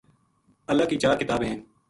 اللہ کی چار کتاب ہیں۔